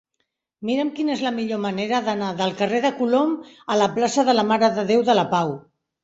Mira'm quina és la millor manera d'anar del carrer de Colom a la plaça de la Mare de Déu de la Pau.